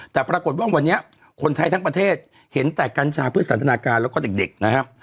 แต่ปรากฏว่าวันนี้คนไทยทั้งประเทศเห็นแต่กัญชาเพื่อสันทนาการแล้วก็เด็กนะครับ